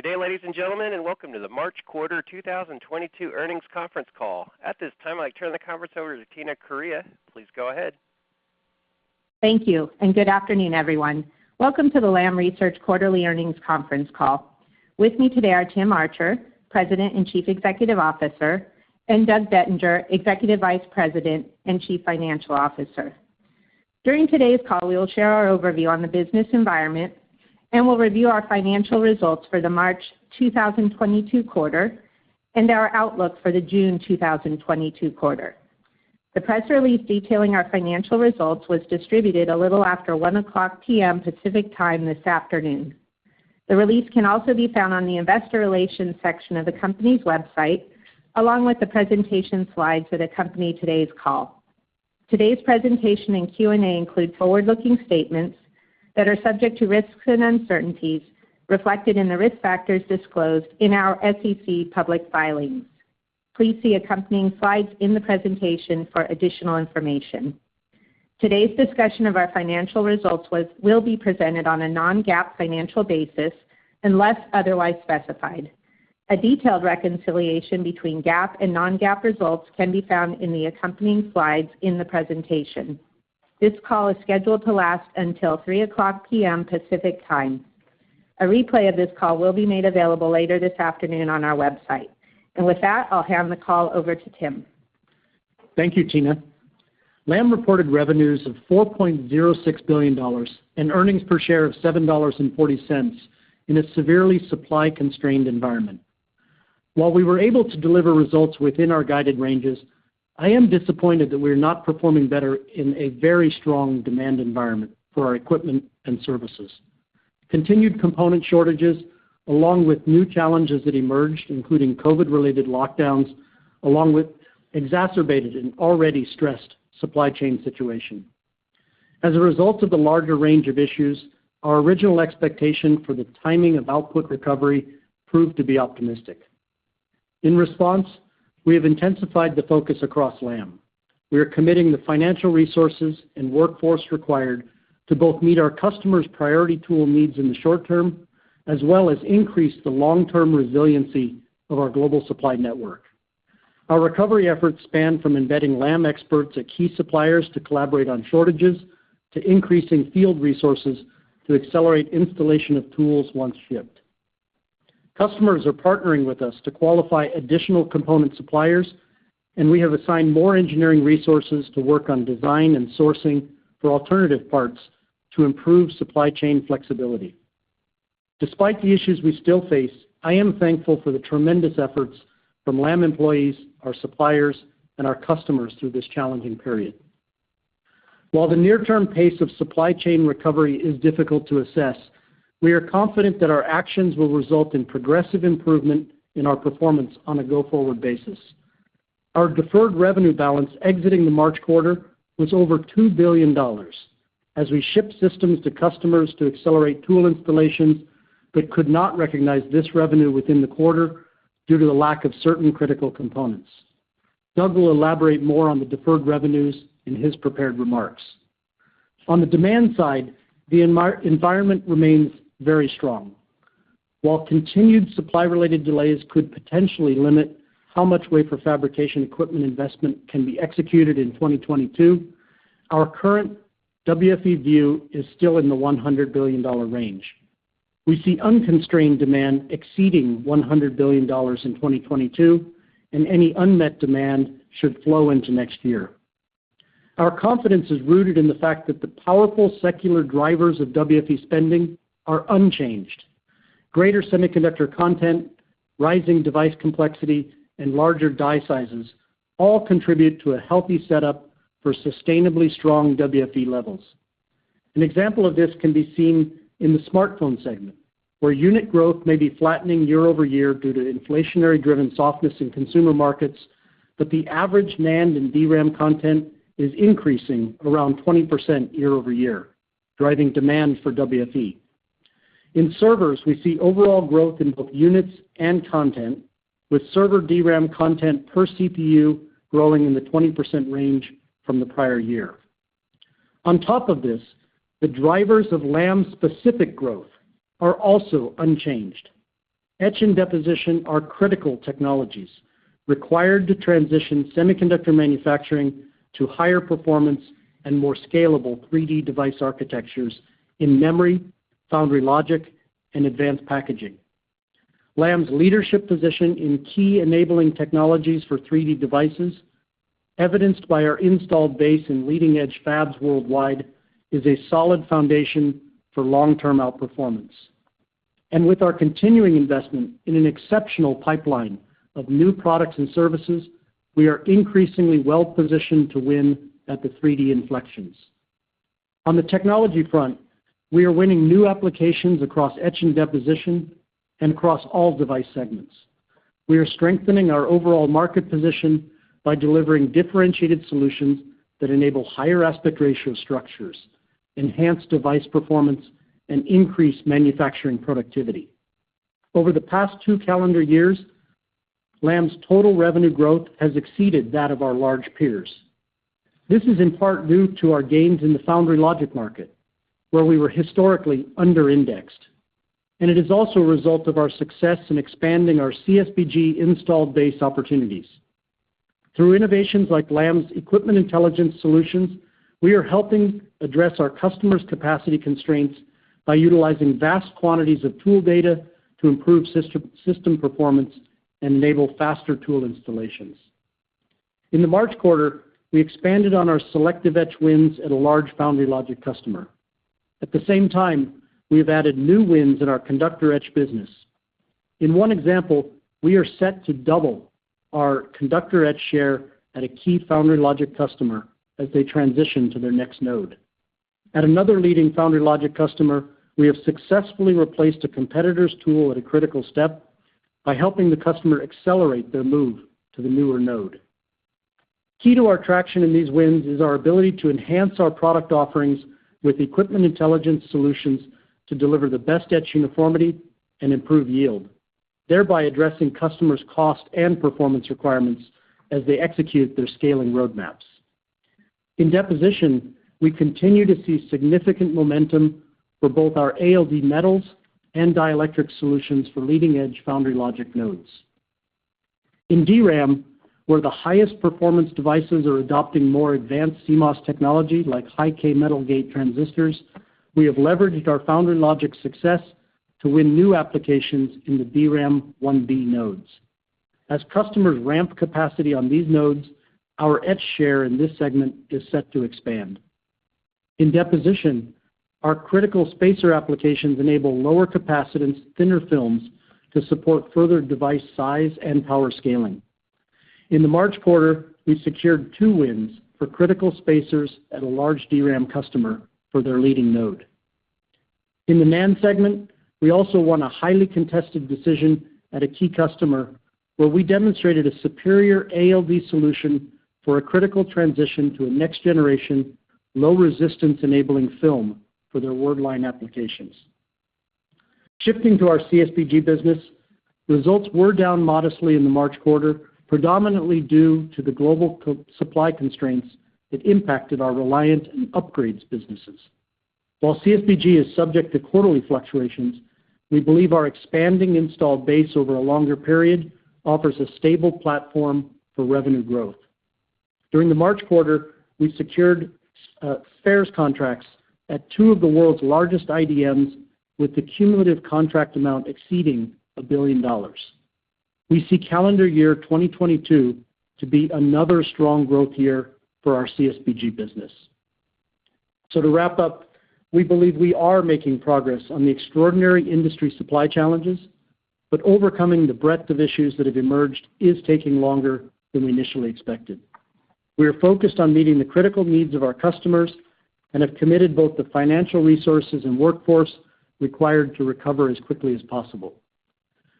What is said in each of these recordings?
Good day, ladies and gentlemen, and welcome to the March quarter 2022 earnings conference call. At this time, I'd like to turn the conference over to Tina Correia. Please go ahead. Thank you, and good afternoon, everyone. Welcome to the Lam Research quarterly earnings conference call. With me today are Tim Archer, President and Chief Executive Officer, and Doug Bettinger, Executive Vice President and Chief Financial Officer. During today's call, we will share our overview on the business environment, and we'll review our financial results for the March 2022 quarter and our outlook for the June 2022 quarter. The press release detailing our financial results was distributed a little after 1:00 P.M. Pacific Time this afternoon. The release can also be found on the investor relations section of the company's website, along with the presentation slides that accompany today's call. Today's presentation and Q&A include forward-looking statements that are subject to risks and uncertainties reflected in the risk factors disclosed in our SEC public filing. Please see accompanying slides in the presentation for additional information. Today's discussion of our financial results will be presented on a non-GAAP financial basis unless otherwise specified. A detailed reconciliation between GAAP and non-GAAP results can be found in the accompanying slides in the presentation. This call is scheduled to last until 3:00 P.M. Pacific Time. A replay of this call will be made available later this afternoon on our website. With that, I'll hand the call over to Tim. Thank you, Tina. Lam reported revenues of $4.06 billion and earnings per share of $7.40 in a severely supply-constrained environment. While we were able to deliver results within our guided ranges, I am disappointed that we are not performing better in a very strong demand environment for our equipment and services. Continued component shortages, along with new challenges that emerged, including COVID-related lockdowns, exacerbated an already stressed supply chain situation. As a result of the larger range of issues, our original expectation for the timing of output recovery proved to be optimistic. In response, we have intensified the focus across Lam. We are committing the financial resources and workforce required to both meet our customers' priority tool needs in the short term, as well as increase the long-term resiliency of our global supply network. Our recovery efforts span from embedding Lam experts at key suppliers to collaborate on shortages, to increasing field resources to accelerate installation of tools once shipped. Customers are partnering with us to qualify additional component suppliers, and we have assigned more engineering resources to work on design and sourcing for alternative parts to improve supply chain flexibility. Despite the issues we still face, I am thankful for the tremendous efforts from Lam employees, our suppliers, and our customers through this challenging period. While the near-term pace of supply chain recovery is difficult to assess, we are confident that our actions will result in progressive improvement in our performance on a go-forward basis. Our deferred revenue balance exiting the March quarter was over $2 billion as we shipped systems to customers to accelerate tool installation but could not recognize this revenue within the quarter due to the lack of certain critical components. Doug will elaborate more on the deferred revenues in his prepared remarks. On the demand side, the environment remains very strong. While continued supply-related delays could potentially limit how much wafer fabrication equipment investment can be executed in 2022, our current WFE view is still in the $100 billion range. We see unconstrained demand exceeding $100 billion in 2022, and any unmet demand should flow into next year. Our confidence is rooted in the fact that the powerful secular drivers of WFE spending are unchanged. Greater Semiconductor Content, rising device complexity, and larger die sizes all contribute to a healthy setup for sustainably strong WFE levels. An example of this can be seen in the smartphone segment, where unit growth may be flattening year-over-year due to inflationary-driven softness in consumer markets, but the average NAND and DRAM content is increasing around 20% year-over-year, driving demand for WFE. In servers, we see overall growth in both units and content, with server DRAM content per CPU growing in the 20% range from the prior year. On top of this, the drivers of Lam-specific growth are also unchanged. Etch and Deposition are critical technologies required to transition semiconductor manufacturing to higher performance and more scalable 3D device architectures in memory, foundry logic, and advanced packaging. Lam's leadership position in key enabling technologies for 3D devices, evidenced by our installed base in leading-edge fabs worldwide, is a solid foundation for long-term outperformance. With our continuing investment in an exceptional pipeline of new products and services, we are increasingly well-positioned to win at the 3D inflections. On the technology front, we are winning new applications across Etch and Deposition and across all device segments. We are strengthening our overall market position by delivering differentiated solutions that enable higher aspect ratio structures, enhance device performance, and increase manufacturing productivity. Over the past two calendar years, Lam's total revenue growth has exceeded that of our large peers. This is in part due to our gains in the foundry logic market, where we were historically under-indexed, and it is also a result of our success in expanding our CSPG installed base opportunities. Through innovations like Lam's Equipment Intelligence solutions, we are helping address our customers' capacity constraints by utilizing vast quantities of tool data to improve system performance and enable faster tool installations. In the March quarter, we expanded on our selective Etch wins at a large foundry logic customer. At the same time, we have added new wins in our Conductor etch business. In one example, we are set to double our Conductor Etch share at a key foundry logic customer as they transition to their next node. At another leading foundry logic customer, we have successfully replaced a competitor's tool at a critical step by helping the customer accelerate their move to the newer node. Key to our traction in these wins is our ability to enhance our product offerings with Equipment Intelligence solutions to deliver the best Etch uniformity and improve yield, thereby addressing customers' cost and performance requirements as they execute their scaling roadmaps. In Deposition, we continue to see significant momentum for both our ALD metals and dielectric solutions for leading-edge foundry logic nodes. In DRAM, where the highest performance devices are adopting more advanced CMOS technology like High-K Metal Gate transistors, we have leveraged our foundry logic success to win new applications in the DRAM 1-beta nodes. As customers ramp capacity on these nodes, our Etch share in this segment is set to expand. In Deposition, our critical spacer applications enable lower capacitance, thinner films to support further device size and power scaling. In the March quarter, we secured two wins for critical spacers at a large DRAM customer for their leading node. In the NAND segment, we also won a highly contested decision at a key customer where we demonstrated a superior ALD solution for a critical transition to a next-generation, low-resistance enabling film for their word line applications. Shifting to our CSPG business, the results were down modestly in the March quarter, predominantly due to the global supply constraints that impacted our Reliant Upgrades businesses. While CSPG is subject to quarterly fluctuations, we believe our expanding installed base over a longer period offers a stable platform for revenue growth. During the March quarter, we secured Spares contracts at two of the world's largest IDMs, with the cumulative contract amount exceeding $1 billion. We see calendar year 2022 to be another strong growth year for our CSPG business. To wrap up, we believe we are making progress on the extraordinary industry supply challenges, but overcoming the breadth of issues that have emerged is taking longer than we initially expected. We are focused on meeting the critical needs of our customers and have committed both the financial resources and workforce required to recover as quickly as possible.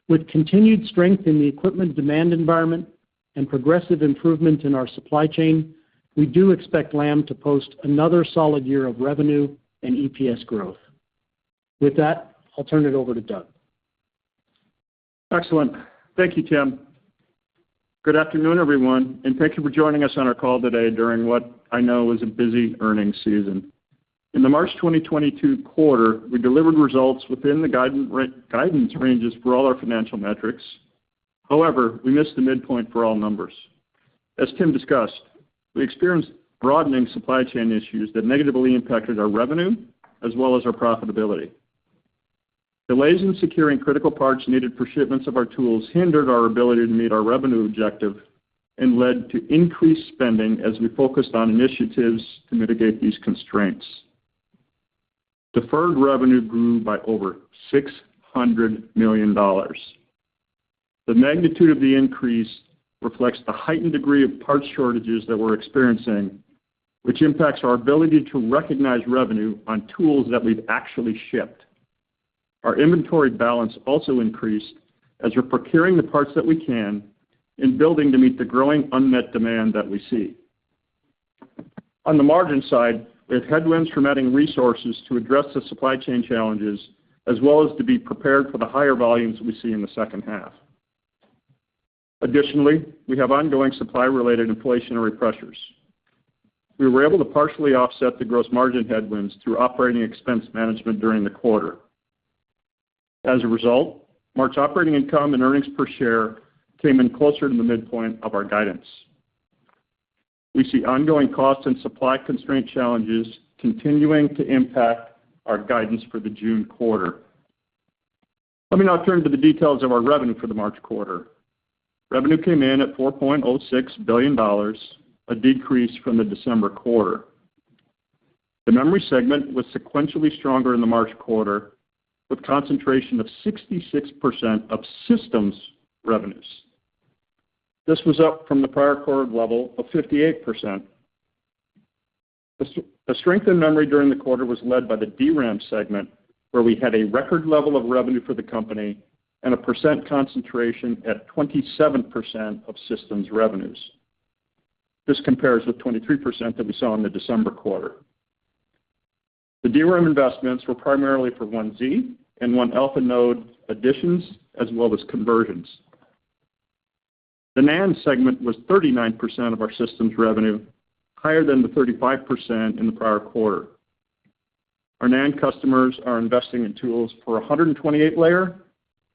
With continued strength in the equipment demand environment and progressive improvements in our supply chain, we do expect Lam to post another solid year of revenue and EPS growth. With that, I'll turn it over to Doug. Excellent. Thank you, Tim. Good afternoon, everyone, and thank you for joining us on our call today during what I know is a busy earnings season. In the March 2022 quarter, we delivered results within the guidance ranges for all our financial metrics. However, we missed the midpoint for all numbers. As Tim discussed, we experienced broadening supply chain issues that negatively impacted our revenue as well as our profitability. Delays in securing critical parts needed for shipments of our tools hindered our ability to meet our revenue objective and led to increased spending as we focused on initiatives to mitigate these constraints. Deferred revenue grew by over $600 million. The magnitude of the increase reflects the heightened degree of parts shortages that we're experiencing, which impacts our ability to recognize revenue on tools that we've actually shipped. Our inventory balance also increased as we're procuring the parts that we can and building to meet the growing unmet demand that we see. On the margin side, we have headwinds from adding resources to address the supply chain challenges as well as to be prepared for the higher volumes we see in the second half. Additionally, we have ongoing supply-related inflationary pressures. We were able to partially offset the gross margin headwinds through operating expense management during the quarter. As a result, March operating income and earnings per share came in closer to the midpoint of our guidance. We see ongoing cost and supply constraint challenges continuing to impact our guidance for the June quarter. Let me now turn to the details of our revenue for the March quarter. Revenue came in at $4.06 billion, a decrease from the December quarter. The memory segment was sequentially stronger in the March quarter, with a concentration of 66% of systems revenues. This was up from the prior quarter level of 58%. Strength in memory during the quarter was led by the DRAM segment, where we had a record level of revenue for the company and a 27% concentration of systems revenues. This compares with 23% that we saw in the December quarter. The DRAM investments were primarily for 1z and 1α node additions as well as conversions. The NAND segment was 39% of our systems revenue, higher than the 35% in the prior quarter. Our NAND customers are investing in tools for 128-layer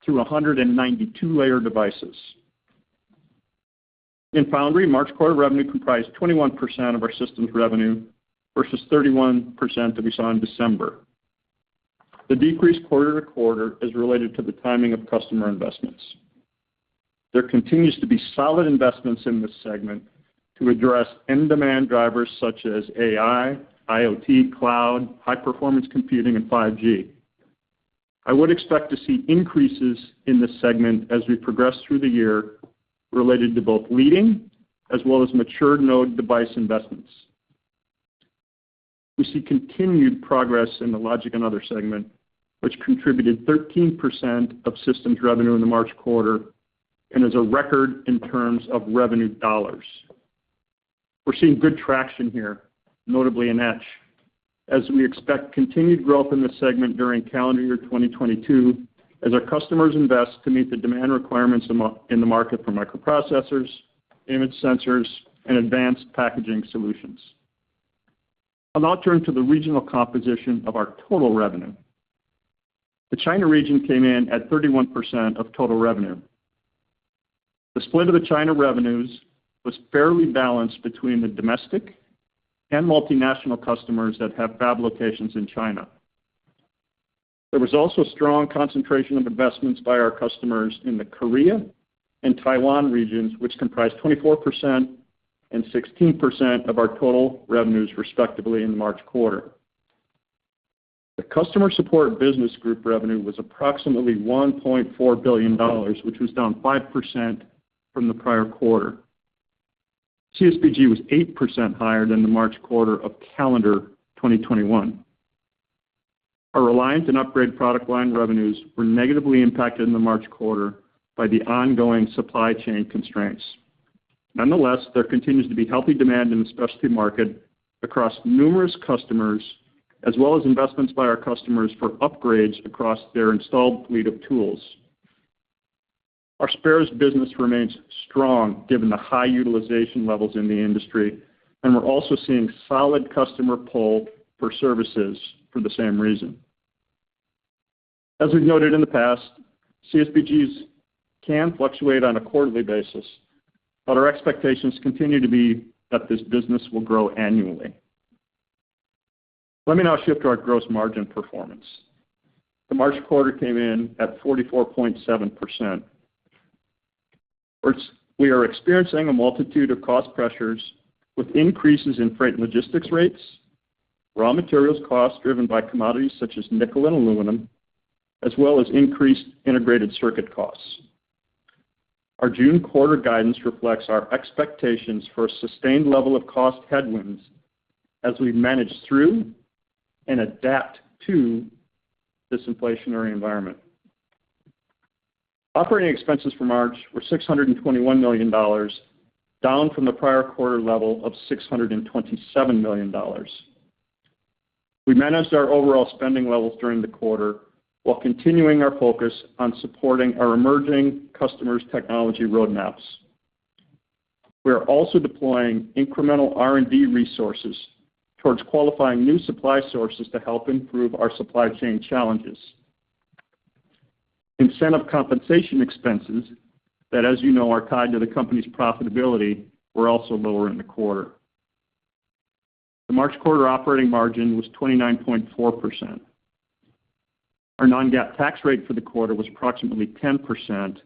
to 192-layer devices. In foundry, March quarter revenue comprised 21% of our systems revenue versus 31% that we saw in December. The decrease quarter to quarter is related to the timing of customer investments. There continues to be solid investments in this segment to address end-demand drivers such as AI, IoT, cloud, high-performance computing, and 5G. I would expect to see increases in this segment as we progress through the year related to both leading as well as mature node device investments. We see continued progress in the logic and other segment, which contributed 13% of systems revenue in the March quarter and is a record in terms of revenue dollars. We're seeing good traction here, notably in Etch, as we expect continued growth in this segment during calendar year 2022 as our customers invest to meet the demand requirements in the market for microprocessors, image sensors, and advanced packaging solutions. I'll now turn to the regional composition of our total revenue. The China region came in at 31% of total revenue. The split of the China revenues was fairly balanced between the domestic and multinational customers that have fab locations in China. There was also a strong concentration of investments by our customers in the Korea and Taiwan regions, which comprised 24% and 16% of our total revenues, respectively, in the March quarter. The customer support business group revenue was approximately $1.4 billion, which was down 5% from the prior quarter. CSPG was 8% higher than the March quarter of calendar 2021. Our Reliant and Upgrade product line revenues were negatively impacted in the March quarter by the ongoing supply chain constraints. Nonetheless, there continues to be healthy demand in the specialty market across numerous customers, as well as investments by our customers for upgrades across their installed fleet of tools. Our Spares business remains strong given the high utilization levels in the industry, and we're also seeing solid customer pull for services for the same reason. As we've noted in the past, CSPGs can fluctuate on a quarterly basis, but our expectations continue to be that this business will grow annually. Let me now shift to our gross margin performance. The March quarter came in at 44.7%. We are experiencing a multitude of cost pressures with increases in freight and logistics rates, raw materials costs driven by commodities such as nickel and aluminum, as well as increased integrated circuit costs. Our June quarter guidance reflects our expectations for a sustained level of cost headwinds as we manage through and adapt to this inflationary environment. Operating expenses for March were $621 million, down from the prior quarter level of $627 million. We managed our overall spending levels during the quarter while continuing our focus on supporting our emerging customers' technology roadmaps. We are also deploying incremental R&D resources towards qualifying new supply sources to help improve our supply chain challenges. Incentive compensation expenses that, as you know, are tied to the company's profitability were also lower in the quarter. The March quarter operating margin was 29.4%. Our non-GAAP tax rate for the quarter was approximately 10%,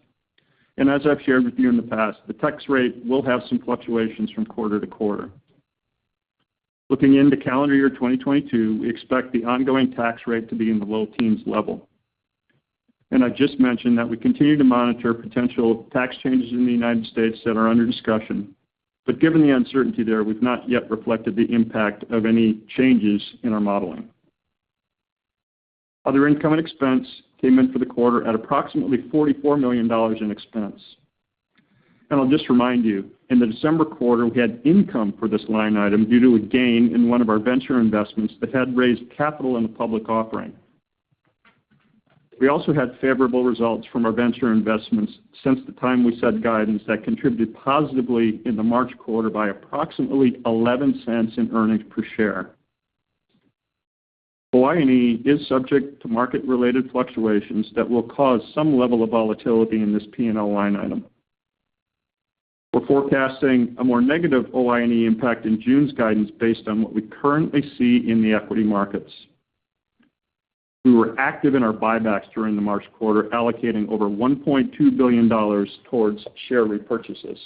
and as I've shared with you in the past, the tax rate will have some fluctuations from quarter to quarter. Looking into calendar year 2022, we expect the ongoing tax rate to be in the low teens level. I just mentioned that we continue to monitor potential tax changes in the United States that are under discussion, but given the uncertainty there, we've not yet reflected the impact of any changes in our modeling. Other income and expense came in for the quarter at approximately $44 million in expense. I'll just remind you, in the December quarter, we had income for this line item due to a gain in one of our venture investments that had raised capital in the public offering. We also had favorable results from our venture investments since the time we set guidance that contributed positively in the March quarter by approximately $0.11 in earnings per share. OINE is subject to market-related fluctuations that will cause some level of volatility in this P&L line item. We're forecasting a more negative OINE impact in June's guidance based on what we currently see in the equity markets. We were active in our buybacks during the March quarter, allocating over $1.2 billion towards share repurchases.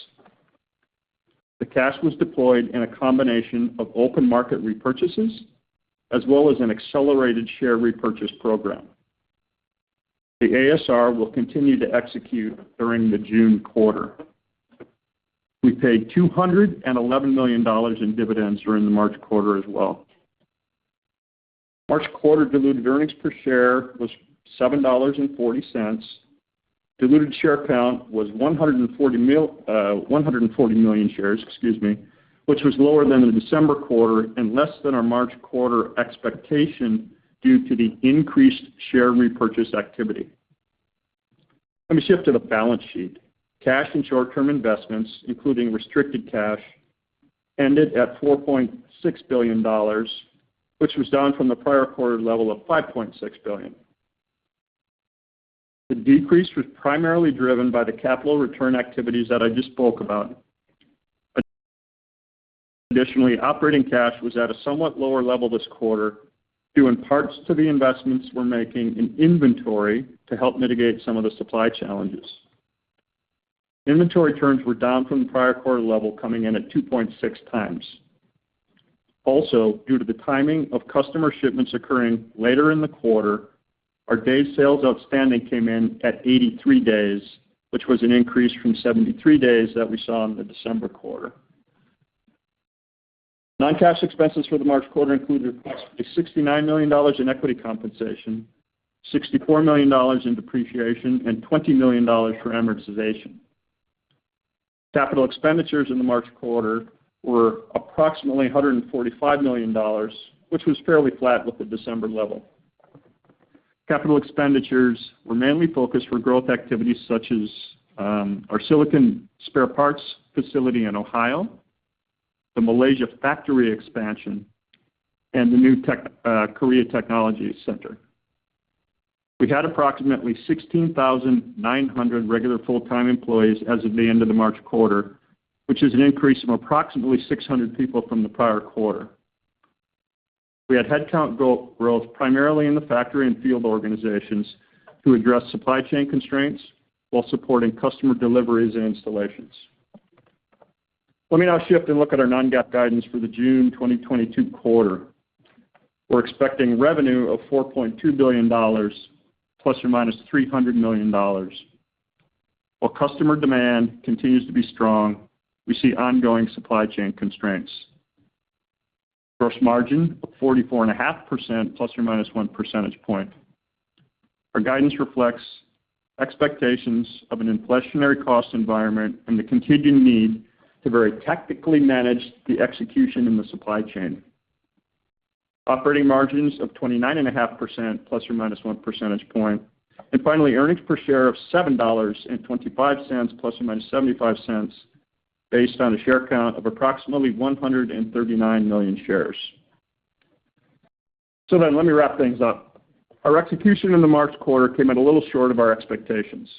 The cash was deployed in a combination of open market repurchases as well as an Accelerated Share Repurchase program. The ASR will continue to execute during the June quarter. We paid $211 million in dividends during the March quarter as well. March quarter diluted earnings per share was $7.40. Diluted share count was 140 million shares, excuse me, which was lower than the December quarter and less than our March quarter expectation due to the increased share repurchase activity. Let me shift to the balance sheet. Cash and short-term investments, including restricted cash, ended at $4.6 billion, which was down from the prior quarter level of $5.6 billion. The decrease was primarily driven by the capital return activities that I just spoke about. Additionally, operating cash was at a somewhat lower level this quarter due in part to the investments we're making in inventory to help mitigate some of the supply challenges. Inventory turns were down from the prior quarter level, coming in at 2.6x. Also, due to the timing of customer shipments occurring later in the quarter, our day sales outstanding came in at 83 days, which was an increase from 73 days that we saw in the December quarter. Non-cash expenses for the March quarter included approximately $69 million in equity compensation, $64 million in depreciation, and $20 million for amortization. Capital expenditures in the March quarter were approximately $145 million, which was fairly flat with the December level. Capital expenditures were mainly focused for growth activities such as our silicon spare parts facility in Ohio, the Malaysia factory expansion, and the new Korea Technology Center. We had approximately 16,900 regular full-time employees as of the end of the March quarter, which is an increase of approximately 600 people from the prior quarter. We had headcount growth primarily in the factory and field organizations to address supply chain constraints while supporting customer deliveries and installations. Let me now shift and look at our non-GAAP guidance for the June 2022 quarter. We're expecting revenue of $4.2 billion ± $300 million. While customer demand continues to be strong, we see ongoing supply chain constraints. Gross margin of 44.5% ± one percentage point. Our guidance reflects expectations of an inflationary cost environment and the continued need to very tactically manage the execution in the supply chain. Operating margins of 29.5% ± one percentage point. Finally, earnings per share of $7.25 ± $0.75, based on a share count of approximately 139 million shares. Let me wrap things up. Our execution in the March quarter came in a little short of our expectations.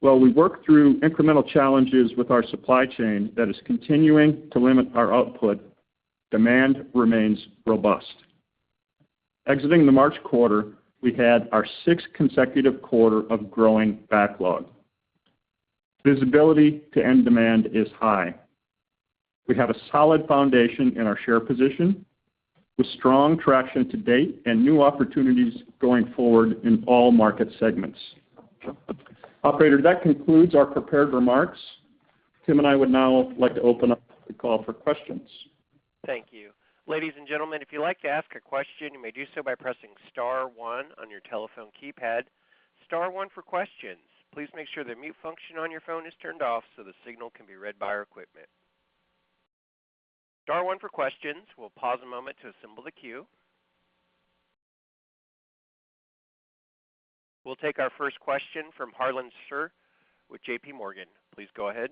While we worked through incremental challenges with our supply chain that is continuing to limit our output, demand remains robust. Exiting the March quarter, we had our sixth consecutive quarter of growing backlog. Visibility to end demand is high. We have a solid foundation in our share position, with strong traction to date and new opportunities going forward in all market segments. Operator, that concludes our prepared remarks. Tim and I would now like to open up the call for questions. Thank you. Ladies and gentlemen, if you'd like to ask a question, you may do so by pressing star one on your telephone keypad. Star one for questions. Please make sure the mute function on your phone is turned off so the signal can be read by our equipment. Star one for questions. We'll pause a moment to assemble the queue. We'll take our first question from Harlan Sur with JPMorgan. Please go ahead.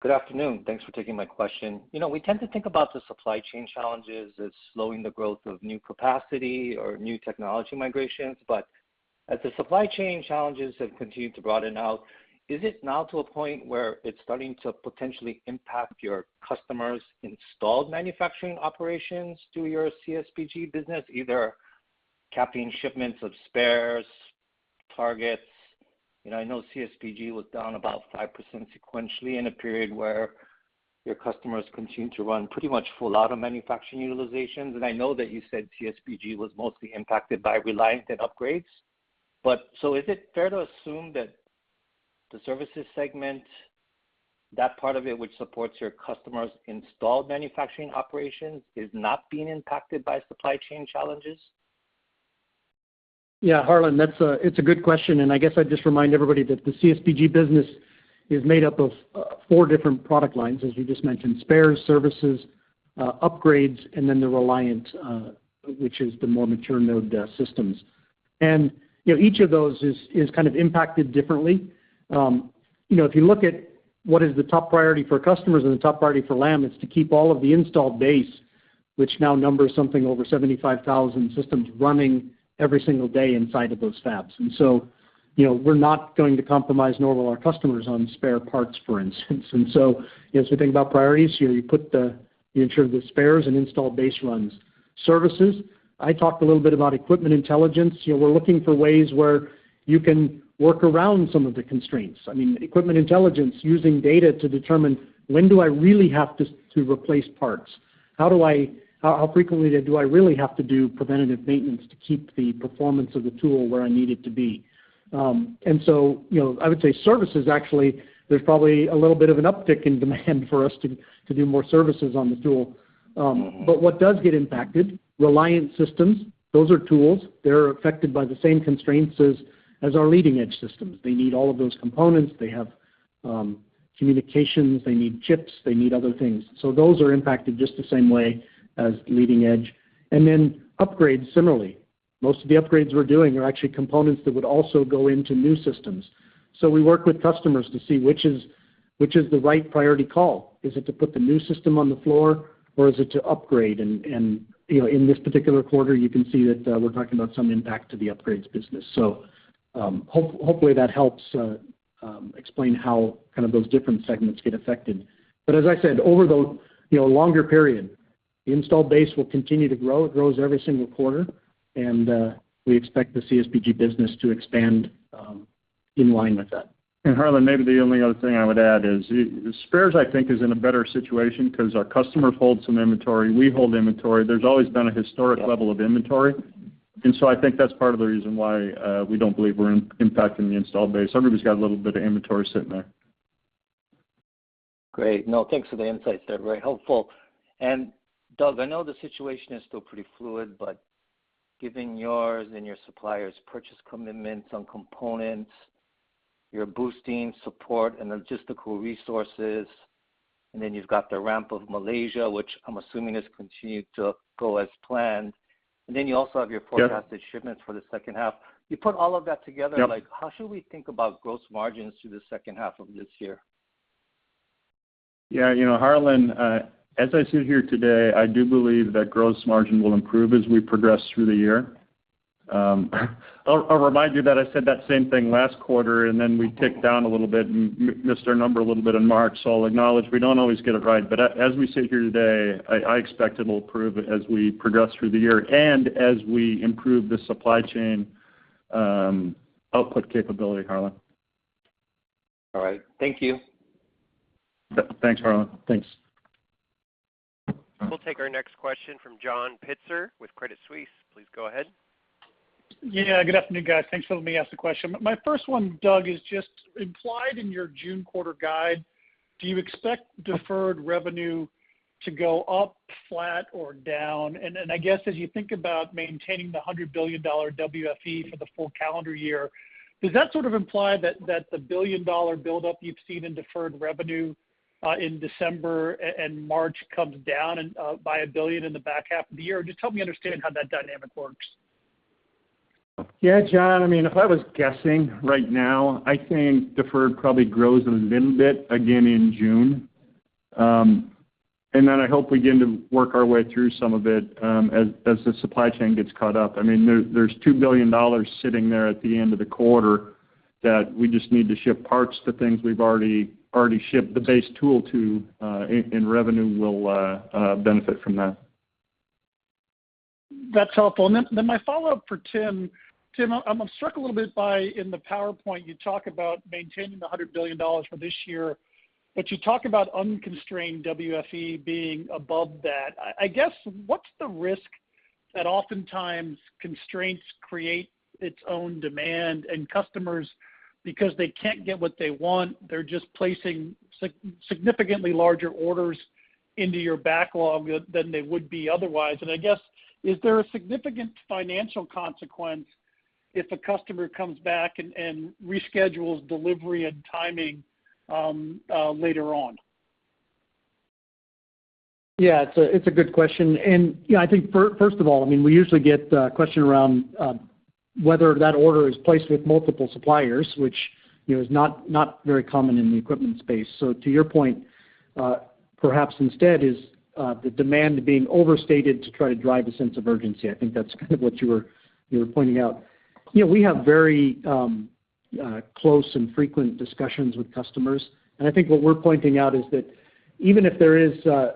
Good afternoon. Thanks for taking my question. You know, we tend to think about the supply chain challenges as slowing the growth of new capacity or new technology migrations, but as the supply chain challenges have continued to broaden out, is it now to a point where it's starting to potentially impact your customers' installed manufacturing operations through your CSPG business, either capping shipments of Spares, targets? You know, I know CSPG was down about 5% sequentially in a period where your customers continue to run pretty much full out of manufacturing utilizations. I know that you said CSPG was mostly impacted by Reliant and Upgrades. Is it fair to assume that the Services segment, that part of it which supports your customers' installed manufacturing operations, is not being impacted by supply chain challenges? Yeah, Harlan, that's a good question. I guess I'd just remind everybody that the CSPG business is made up of four different product lines, as you just mentioned, Spares, Services, Upgrades, and then the Reliant, which is the more mature node systems. Each of those is kind of impacted differently. If you look at what is the top priority for customers and the top priority for Lam, it's to keep all of the installed base, which now numbers something over 75,000 systems running every single day inside of those fabs. We're not going to compromise nor will our customers on spare parts, for instance. As we think about priorities here, you ensure the Spares and installed base runs. Services, I talked a little bit about Equipment Intelligence. We're looking for ways where you can work around some of the constraints. I mean, Equipment Intelligence, using data to determine, when do I really have to replace parts? How frequently do I really have to do preventative maintenance to keep the performance of the tool where I need it to be? I would say Services, actually, there's probably a little bit of an uptick in demand for us to do more services on the tool. What does get impacted, Reliant systems, those are tools. They're affected by the same constraints as our leading edge systems. They need all of those components. They have communications. They need chips. They need other things. Those are impacted just the same way as leading edge. Then Upgrades, similarly. Most of the Upgrades we're doing are actually components that would also go into new systems. We work with customers to see which is the right priority call. Is it to put the new system on the floor, or is it to Upgrade? In this particular quarter, you can see that we're talking about some impact to the Upgrades business. Hopefully, that helps explain how kind of those different segments get affected. Over the longer period, the installed base will continue to grow. It grows every single quarter. We expect the CSPG business to expand in line with that. Harlan, maybe the only other thing I would add is Spares, I think, is in a better situation because our customers hold some inventory. We hold inventory. There's always been a historic level of inventory. So I think that's part of the reason why we don't believe we're impacting the installed base. Everybody's got a little bit of inventory sitting there. Great. No, thanks for the insights. They're very helpful. Doug, I know the situation is still pretty fluid, but given yours and your supplier's purchase commitments on components, you're boosting support and logistical resources. You've got the ramp of Malaysia, which I'm assuming has continued to go as planned. You also have your forecasted shipments for the second half. You put all of that together, how should we think about gross margins through the second half of this year? Yeah, you know Harlan, as I sit here today, I do believe that gross margin will improve as we progress through the year. I'll remind you that I said that same thing last quarter, and then we ticked down a little bit, missed our number a little bit in March. I'll acknowledge we don't always get it right. As we sit here today, I expect it will improve as we progress through the year and as we improve the supply chain output capability, Harlan. All right. Thank you. Thanks, Harlan. Thanks. We'll take our next question from John Pitzer with Credit Suisse. Please go ahead. Yeah, good afternoon, guys. Thanks for letting me ask the question. My first one, Doug, is just implied in your June quarter guide. Do you expect deferred revenue to go up, flat, or down? I guess as you think about maintaining the $100 billion WFE for the full calendar year, does that sort of imply that the billion-dollar buildup you've seen in deferred revenue in December and March comes down by $1 billion in the back half of the year? Just help me understand how that dynamic works. Yeah, John, I mean, if I was guessing right now, I think deferred probably grows a little bit again in June. Then I hope we get to work our way through some of it as the supply chain gets caught up. I mean, there's $2 billion sitting there at the end of the quarter that we just need to ship parts to things we've already shipped the base tool to, and revenue will benefit from that. That's helpful. My follow-up for Tim. Tim, I'm struck a little bit by in the PowerPoint, you talk about maintaining the $100 billion for this year, but you talk about unconstrained WFE being above that. I guess what's the risk that oftentimes constraints create its own demand and customers because they can't get what they want? They're just placing significantly larger orders into your backlog than they would be otherwise. I guess, is there a significant financial consequence if a customer comes back and reschedules delivery and timing later on? Yeah, it's a good question. I think, first of all, I mean, we usually get a question around whether that order is placed with multiple suppliers, which is not very common in the equipment space. To your point, perhaps instead is the demand being overstated to try to drive a sense of urgency. I think that's kind of what you were pointing out. We have very close and frequent discussions with customers. I think what we're pointing out is that even if there is a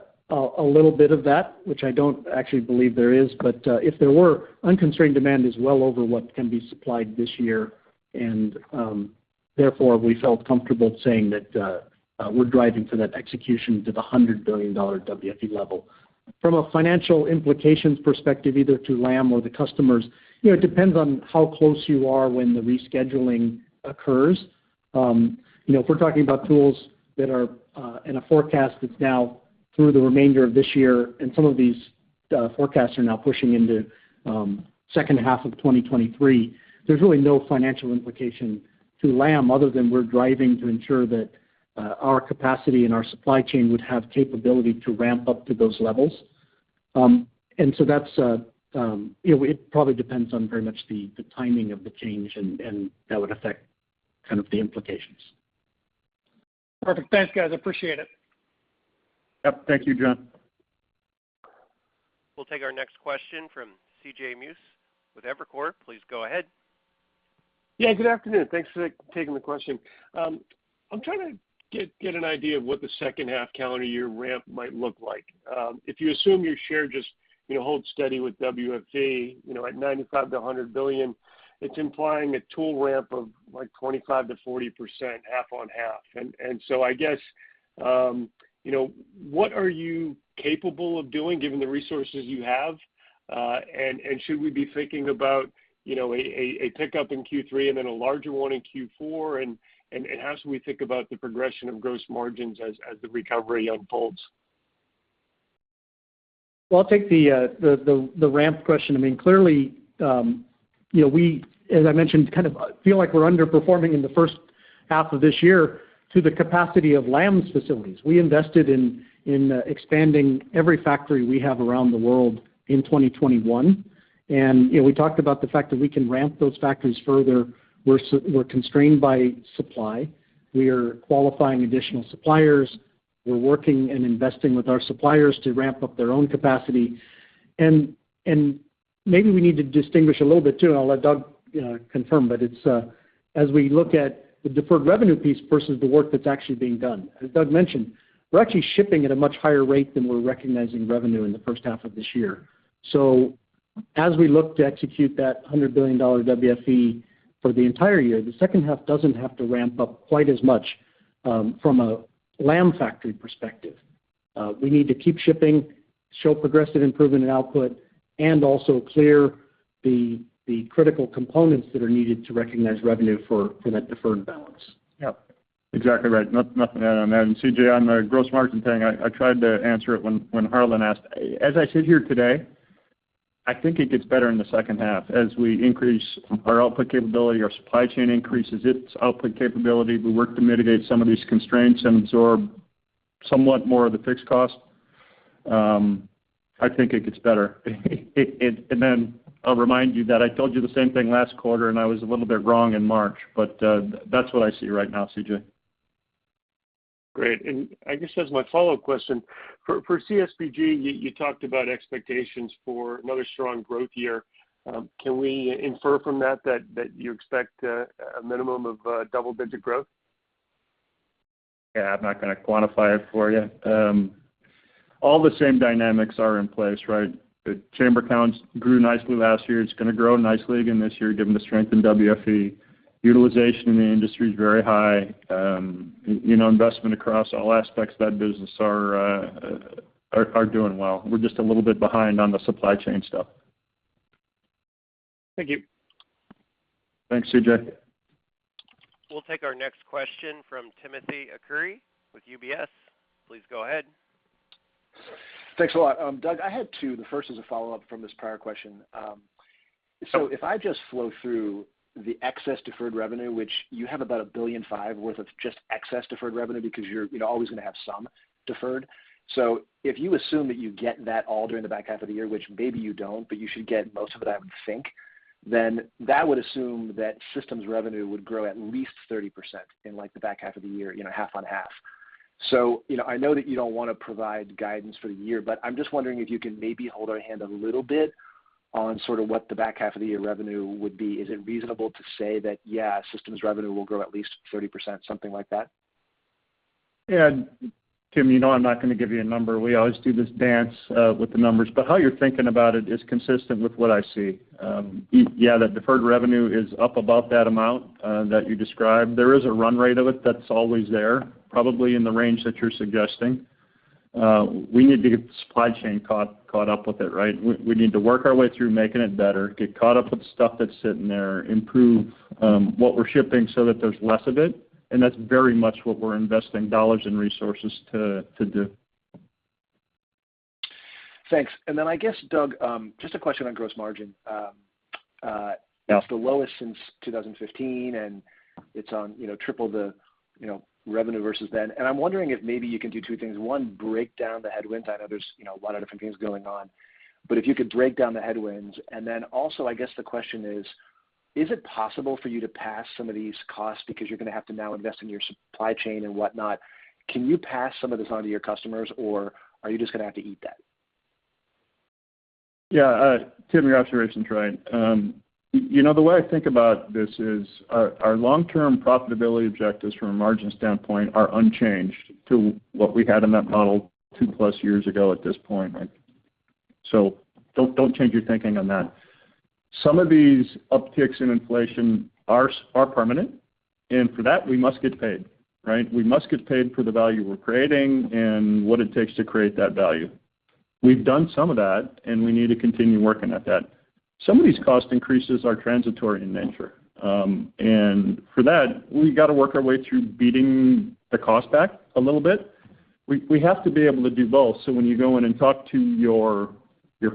little bit of that, which I don't actually believe there is, but if there were, unconstrained demand is well over what can be supplied this year. Therefore, we felt comfortable saying that we're driving to that execution to the $100 billion WFE level. From a financial implications perspective, either to Lam or the customers, it depends on how close you are when the rescheduling occurs. If we're talking about tools that are in a forecast that's now through the remainder of this year, and some of these forecasts are now pushing into second half of 2023, there's really no financial implication to Lam other than we're driving to ensure that our capacity and our supply chain would have capability to ramp up to those levels. That's it probably depends on very much the timing of the change, and that would affect kind of the implications. Perfect. Thanks, guys. I appreciate it. Yep. Thank you, John. We'll take our next question from C.J. Muse with Evercore. Please go ahead. Yeah, good afternoon. Thanks for taking the question. I'm trying to get an idea of what the second half calendar year ramp might look like. If you assume your share just holds steady with WFE at $95 billion-$100 billion, it's implying a tool ramp of 25%-40%, half on half. I guess, what are you capable of doing given the resources you have? Should we be thinking about a pickup in Q3 and then a larger one in Q4? How should we think about the progression of gross margins as the recovery unfolds? Well, I'll take the ramp question. I mean, clearly, we, as I mentioned, kind of feel like we're underperforming in the first half of this year to the capacity of Lam's facilities. We invested in expanding every factory we have around the world in 2021. We talked about the fact that we can ramp those factories further. We're constrained by supply. We are qualifying additional suppliers. We're working and investing with our suppliers to ramp up their own capacity. Maybe we need to distinguish a little bit too. I'll let Doug confirm, but it's as we look at the deferred revenue piece versus the work that's actually being done. As Doug mentioned, we're actually shipping at a much higher rate than we're recognizing revenue in the first half of this year. As we look to execute that $100 billion WFE for the entire year, the second half doesn't have to ramp up quite as much from a Lam factory perspective. We need to keep shipping, show progressive improvement in output, and also clear the critical components that are needed to recognize revenue for that deferred balance. Yep. Exactly right. Nothing to add on that. C.J., on the gross margin thing, I tried to answer it when Harlan asked. As I sit here today, I think it gets better in the second half. As we increase our output capability, our supply chain increases its output capability. We work to mitigate some of these constraints and absorb somewhat more of the fixed cost. I think it gets better. I'll remind you that I told you the same thing last quarter, and I was a little bit wrong in March. That's what I see right now, C.J. Great. I guess as my follow-up question, for CSPG, you talked about expectations for another strong growth year. Can we infer from that that you expect a minimum of double-digit growth? Yeah, I'm not going to quantify it for you. All the same dynamics are in place, right? Chamber counts grew nicely last year. It's going to grow nicely again this year given the strength in WFE. Utilization in the industry is very high. Investment across all aspects of that business are doing well. We're just a little bit behind on the supply chain stuff. Thank you. Thanks, C.J. We'll take our next question from Timothy Arcuri with UBS. Please go ahead. Thanks a lot. Doug, I had two. The first is a follow-up from this prior question. If I just flow through the excess deferred revenue, which you have about $1.5 billion worth of just excess deferred revenue because you're always going to have some deferred. If you assume that you get that all during the back half of the year, which maybe you don't, but you should get most of it out of the bank, then that would assume that systems revenue would grow at least 30% in the back half of the year, half on half. I know that you don't want to provide guidance for the year, but I'm just wondering if you can maybe hold our hand a little bit on sort of what the back half of the year revenue would be. Is it reasonable to say that, yeah, systems revenue will grow at least 30%, something like that? Yeah, Tim, you know I'm not going to give you a number. We always do this dance with the numbers. How you're thinking about it is consistent with what I see. Yeah, that deferred revenue is up above that amount that you described. There is a run rate of it that's always there, probably in the range that you're suggesting. We need to get supply chain caught up with it, right? We need to work our way through making it better, get caught up with stuff that's sitting there, improve what we're shipping so that there's less of it. That's very much what we're investing dollars and resources to do. Thanks. I guess, Doug, just a question on gross margin. Now, it's the lowest since 2015, and it's on triple the revenue versus then. I'm wondering if maybe you can do two things. One, break down the headwinds. I know there's a lot of different things going on. If you could break down the headwinds. Also, I guess the question is it possible for you to pass some of these costs because you're going to have to now invest in your supply chain and whatnot? Can you pass some of this on to your customers, or are you just going to have to eat that? Yeah, Tim, your observation's right. You know the way I think about this is our long-term profitability objectives from a margins standpoint are unchanged to what we had in that model 2+ years ago at this point. Don't change your thinking on that. Some of these upticks in inflation are permanent. For that, we must get paid, right? We must get paid for the value we're creating and what it takes to create that value. We've done some of that, and we need to continue working at that. Some of these cost increases are transitory in nature. For that, we've got to work our way through beating the cost back a little bit. We have to be able to do both. When you go in and talk to your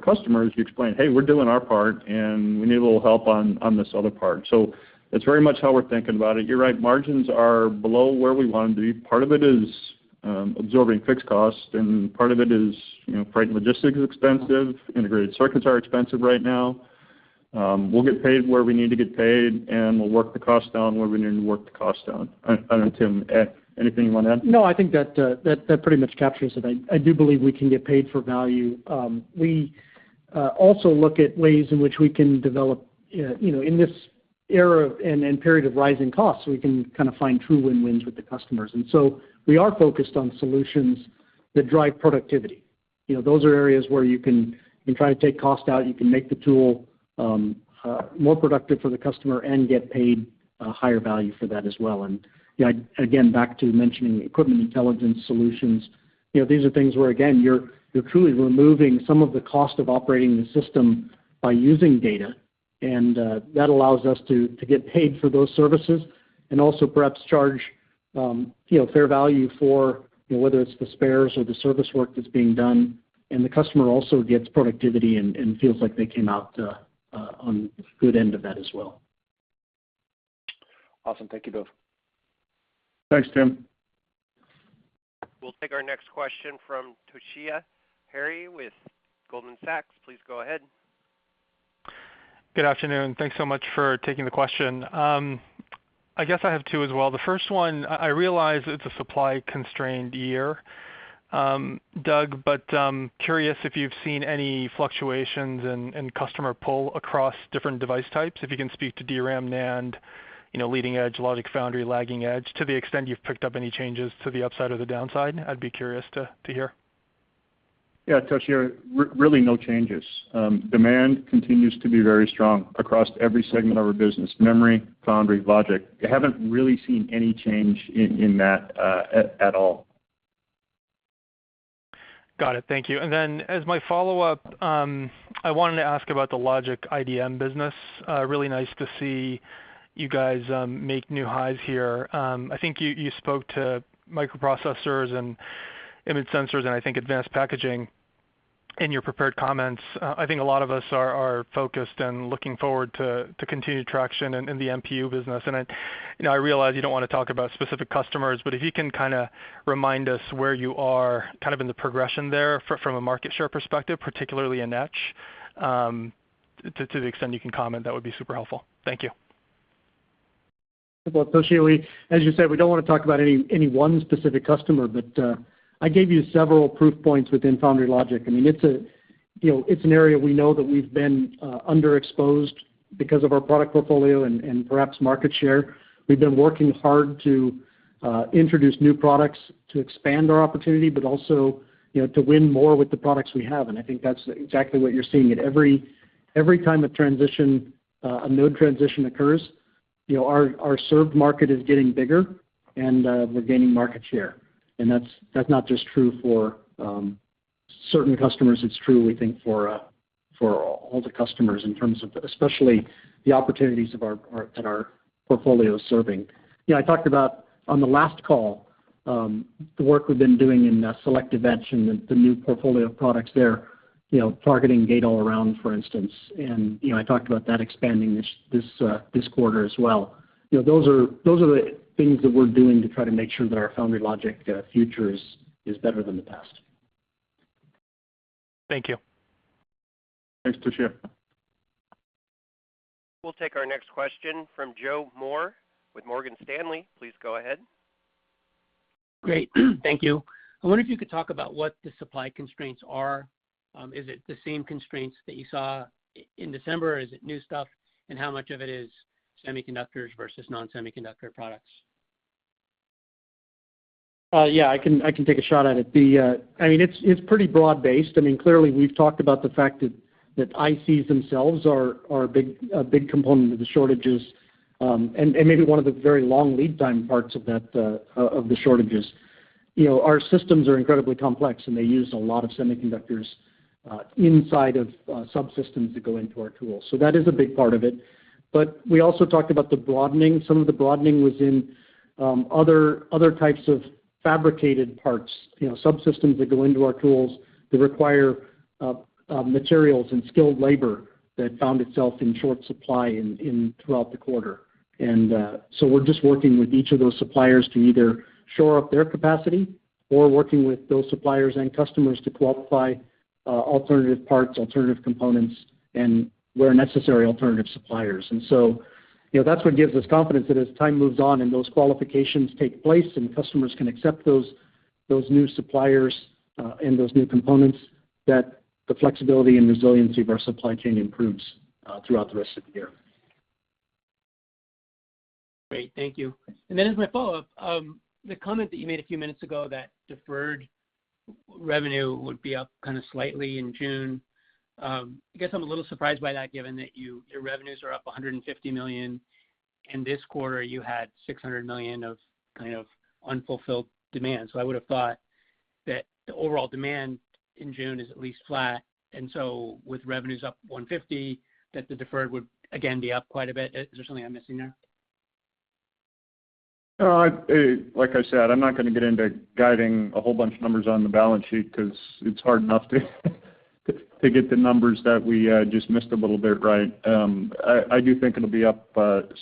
customers, you explain, "Hey, we're doing our part, and we need a little help on this other part." That's very much how we're thinking about it. You're right. Margins are below where we want them to be. Part of it is absorbing fixed costs, and part of it is freight and logistics are expensive. Integrated circuits are expensive right now. We'll get paid where we need to get paid, and we'll work the cost down where we need to work the cost down. I don't know, Tim, anything you want to add? No, I think that pretty much captures it. I do believe we can get paid for value. We also look at ways in which we can develop in this era and period of rising costs. We can kind of find true win-wins with the customers. We are focused on solutions that drive productivity. Those are areas where you can try to take cost out. You can make the tool more productive for the customer and get paid a higher value for that as well. Again, back to mentioning Equipment Intelligence solutions, these are things where, again, you're truly removing some of the cost of operating the system by using data. That allows us to get paid for those services and also perhaps charge fair value for whether it's the Spares or the Service work that's being done. The customer also gets productivity and feels like they came out on the good end of that as well. Awesome. Thank you, both. Thanks, Tim. We'll take our next question from Toshiya Hari with Goldman Sachs. Please go ahead. Good afternoon. Thanks so much for taking the question. I guess I have two as well. The first one, I realize it's a supply-constrained year, Doug, but curious if you've seen any fluctuations in customer pull across different device types. If you can speak to DRAM, NAND, Leading-Edge Logic and Foundry, Lagging Edge, to the extent you've picked up any changes to the upside or the downside, I'd be curious to hear. Yeah, Toshiya, really no changes. Demand continues to be very strong across every segment of our business, Memory, Foundry, and Logic. I haven't really seen any change in that at all. Got it. Thank you. As my follow-up, I wanted to ask about the logic IDM business. Really nice to see you guys make new highs here. I think you spoke to microprocessors and image sensors and I think advanced packaging in your prepared comments. I think a lot of us are focused and looking forward to continued traction in the MPU business. I realize you don't want to talk about specific customers, but if you can kind of remind us where you are kind of in the progression there from a market share perspective, particularly a niche, to the extent you can comment, that would be super helpful. Thank you. Well, Toshiya, as you said, we don't want to talk about any one specific customer, but I gave you several proof points within Foundry and Logic. I mean, it's an area we know that we've been underexposed because of our product portfolio and perhaps market share. We've been working hard to introduce new products to expand our opportunity, but also to win more with the products we have. I think that's exactly what you're seeing. Every time a node transition occurs, our served market is getting bigger, and we're gaining market share. That's not just true for certain customers. It's true, we think, for all the customers in terms of especially the opportunities that our portfolio is serving. Yeah, I talked about on the last call, the work we've been doing in selective Etch and the new portfolio of products there, targeting Gate-All-Around, for instance. I talked about that expanding this quarter as well. Those are the things that we're doing to try to make sure that our Foundry and Logic future is better than the past. Thank you. Thanks, Toshiya. We'll take our next question from Joe Moore with Morgan Stanley. Please go ahead. Great. Thank you. I wonder if you could talk about what the supply constraints are. Is it the same constraints that you saw in December, or is it new stuff, and how much of it is semiconductors versus non-semiconductor products? Yeah, I can take a shot at it. I mean, it's pretty broad-based. I mean, clearly, we've talked about the fact that ICs themselves are a big component of the shortages and maybe one of the very long lead time parts of the shortages. Our systems are incredibly complex, and they use a lot of semiconductors inside of subsystems that go into our tools. That is a big part of it. We also talked about some of the broadening was in other types of fabricated parts, subsystems that go into our tools that require materials and skilled labor that found itself in short supply throughout the quarter. We're just working with each of those suppliers to either shore up their capacity or working with those suppliers and customers to qualify alternative parts, alternative components, and where necessary, alternative suppliers. That's what gives us confidence that as time moves on and those qualifications take place and customers can accept those new suppliers and those new components, that the flexibility and resiliency of our supply chain improves throughout the rest of the year. Great. Thank you. As my follow-up, the comment that you made a few minutes ago that deferred revenue would be up kind of slightly in June. I guess I'm a little surprised by that given that your revenues are up $150 million, and this quarter, you had $600 million of kind of unfulfilled demand. I would have thought that the overall demand in June is at least flat. With revenues up $150 million, that the deferred would, again, be up quite a bit. Is there something I'm missing there? Like I said, I'm not going to get into guiding a whole bunch of numbers on the balance sheet because it's hard enough to get the numbers that we just missed a little bit right. I do think it'll be up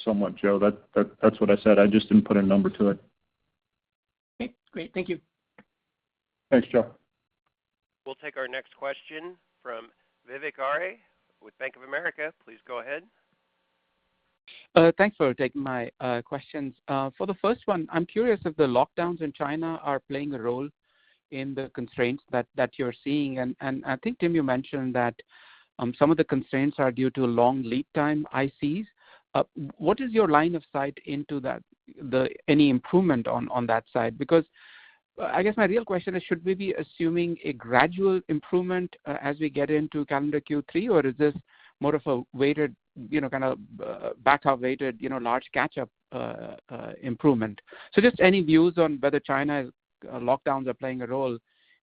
somewhat, Joe. That's what I said. I just didn't put a number to it. Okay. Great. Thank you. Thanks, Joe. We'll take our next question from Vivek Arya with Bank of America. Please go ahead. Thanks for taking my questions. For the first one, I'm curious if the lockdowns in China are playing a role in the constraints that you're seeing. I think, Tim, you mentioned that some of the constraints are due to long lead time ICs. What is your line of sight into any improvement on that side? Because I guess my real question is, should we be assuming a gradual improvement as we get into calendar Q3, or is this more of a kind of back-half weighted, large catch-up improvement? Just any views on whether China's lockdowns are playing a role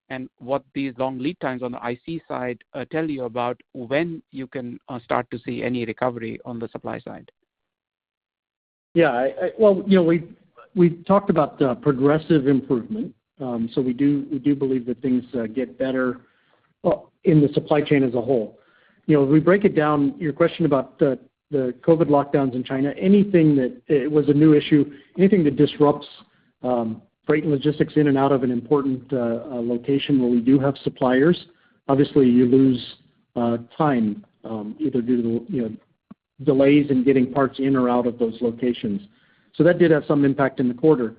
and what these long lead times on the IC side tell you about when you can start to see any recovery on the supply side? Yeah. Well, we've talked about progressive improvement. We do believe that things get better in the supply chain as a whole. If we break it down, your question about the COVID lockdowns in China, anything that was a new issue, anything that disrupts freight and logistics in and out of an important location where we do have suppliers, obviously, you lose time either due to delays in getting parts in or out of those locations. That did have some impact in the quarter.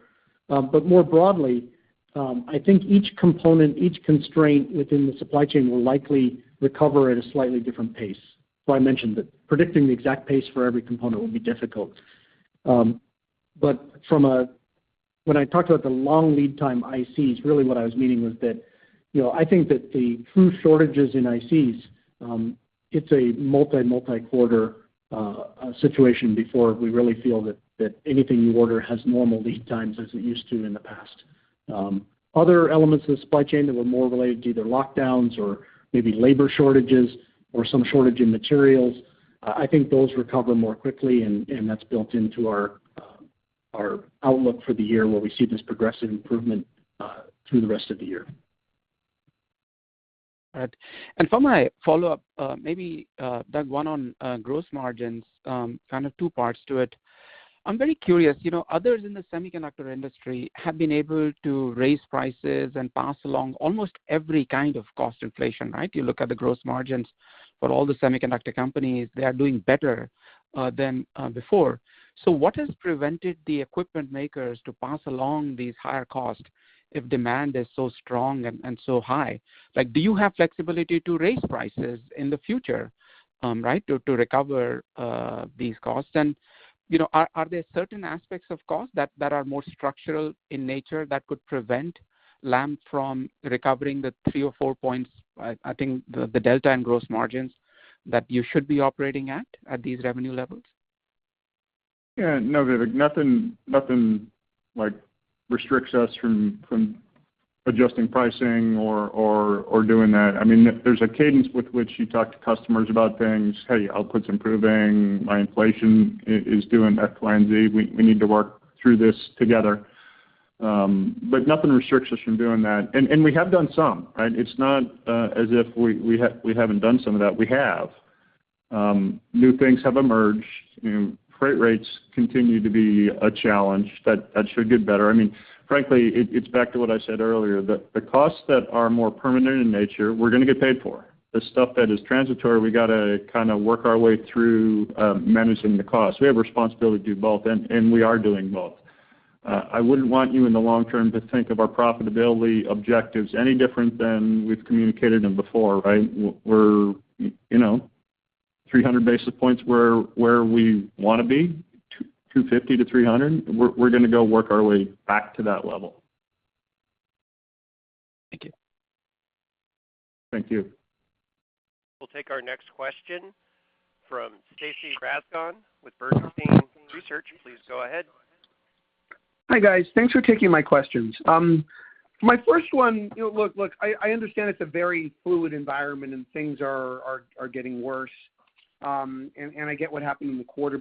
More broadly, I think each component, each constraint within the supply chain will likely recover at a slightly different pace. I mentioned that predicting the exact pace for every component would be difficult. When I talked about the long lead time ICs, really what I was meaning was that I think that the true shortages in ICs, it's a multi-quarter situation before we really feel that anything you order has normal lead times as it used to in the past. Other elements of the supply chain that were more related to either lockdowns or maybe labor shortages or some shortage in materials, I think those recover more quickly, and that's built into our outlook for the year where we see this progressive improvement through the rest of the year. For my follow-up, maybe, Doug, one on gross margins, kind of two parts to it. I'm very curious. Others in the semiconductor industry have been able to raise prices and pass along almost every kind of cost inflation, right? You look at the gross margins for all the semiconductor companies, they are doing better than before. What has prevented the equipment makers to pass along these higher costs if demand is so strong and so high? Do you have flexibility to raise prices in the future, right, to recover these costs? Are there certain aspects of cost that are more structural in nature that could prevent Lam from recovering the three or four points, I think, the delta in gross margins that you should be operating at at these revenue levels? Yeah. No, Vivek. Nothing restricts us from adjusting pricing or doing that. I mean, there's a cadence with which you talk to customers about things. "Hey, output's improving. My inflation is doing X, Y, and Z. We need to work through this together." Nothing restricts us from doing that. We have done some, right? It's not as if we haven't done some of that. We have. New things have emerged. Freight rates continue to be a challenge that should get better. I mean, frankly, it's back to what I said earlier. The costs that are more permanent in nature, we're going to get paid for. The stuff that is transitory, we got to kind of work our way through managing the cost. We have a responsibility to do both, and we are doing both. I wouldn't want you in the long term to think of our profitability objectives any different than we've communicated them before, right? We're 300 basis points where we want to be, 250-300. We're going to go work our way back to that level. Thank you. Thank you. We'll take our next question from Stacy Rasgon with Bernstein Research. Please go ahead. Hi, guys. Thanks for taking my questions. My first one, look, I understand it's a very fluid environment and things are getting worse, and I get what happened in the quarter.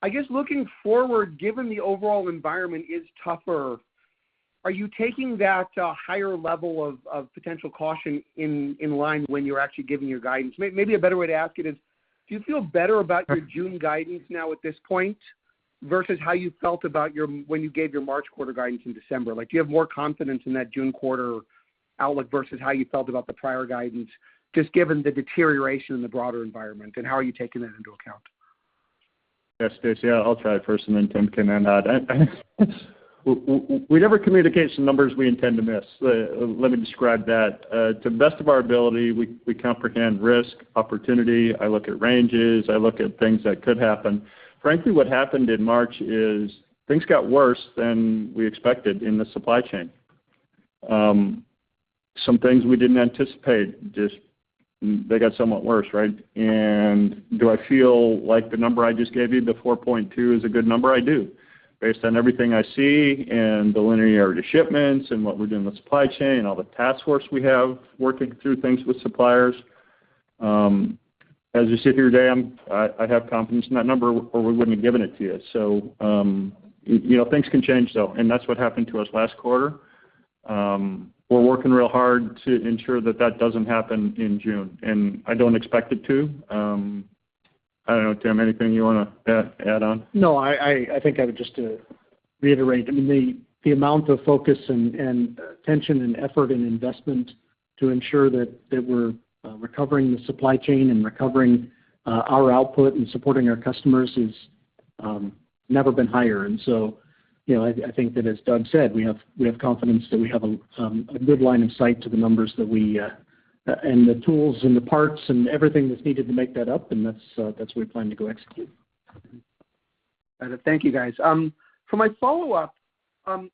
I guess looking forward, given the overall environment is tougher, are you taking that higher level of potential caution in line when you're actually giving your guidance? Maybe a better way to ask it is, do you feel better about your June guidance now at this point versus how you felt about when you gave your March quarter guidance in December? Do you have more confidence in that June quarter outlook versus how you felt about the prior guidance, just given the deterioration in the broader environment? How are you taking that into account? Yes, Stacy. I'll try first, and then Tim can add on. We never communicate some numbers we intend to miss. Let me describe that. To the best of our ability, we comprehend risk, opportunity. I look at ranges. I look at things that could happen. Frankly, what happened in March is things got worse than we expected in the supply chain. Some things we didn't anticipate, they got somewhat worse, right? Do I feel like the number I just gave you, the $4.2, is a good number? I do. Based on everything I see and the linearity of shipments and what we're doing with supply chain and all the task force we have working through things with suppliers, as you sit here today, I'd have confidence in that number or we wouldn't have given it to you. Things can change, though, and that's what happened to us last quarter. We're working real hard to ensure that doesn't happen in June, and I don't expect it to. I don't know, Tim, anything you want to add on? No, I think I would just reiterate. I mean, the amount of focus and tension and effort and investment to ensure that we're recovering the supply chain and recovering our output and supporting our customers has never been higher. I think that, as Doug said, we have confidence that we have a good line of sight to the numbers that we and the tools and the parts and everything that's needed to make that up, and that's where we plan to go execute. Got it. Thank you, guys. For my follow-up,